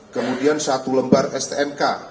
kemudian satu lembar stnk